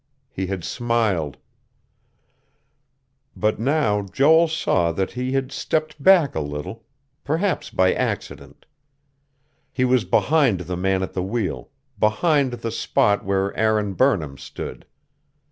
He had smiled. But now Joel saw that he had stepped back a little, perhaps by accident. He was behind the man at the wheel, behind the spot where Aaron Burnham stood.